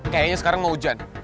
kayaknya sekarang mau hujan